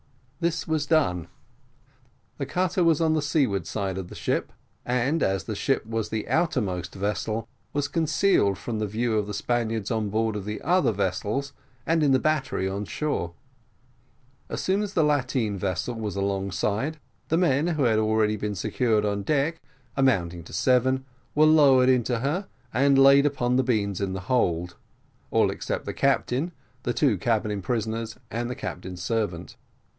This was done; the cutter was on the seaward side of the ship, and, as the ship was the outermost vessel, was concealed from the view of the Spaniards on board of the other vessels, and in the battery on shore. As soon as the lateen vessel was alongside, the men who had already been secured on deck, amounting to seven, were lowered into her, and laid upon the beans in the hold; all, except the captain, the two cabin prisoners, and the captain's servant.